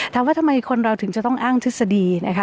ถามว่าทำไมคนเราถึงจะต้องอ้างทฤษฎี